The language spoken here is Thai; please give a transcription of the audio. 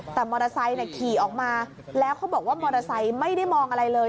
แต่มอเตอร์ไซค์ขี่ออกมาแล้วเขาบอกว่ามอเตอร์ไซค์ไม่ได้มองอะไรเลย